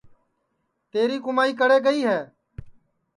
تیری کُمائی کڑے گئی ہے